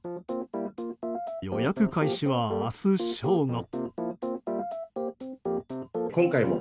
予約開始は明日正午。